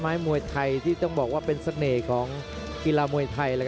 มวยไทยที่ต้องบอกว่าเป็นเสน่ห์ของกีฬามวยไทย